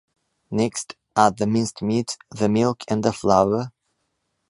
Next, add the minced meat, the milk and the flour.